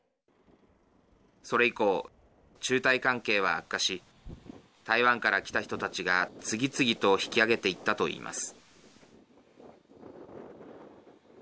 それ以降、中台関係は悪化し台湾から来た人たちが次々と引き揚げていったといいます。